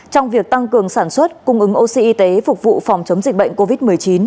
trong việc tăng cường sản xuất cung ứng oxy y tế phục vụ phòng chống dịch bệnh covid một mươi chín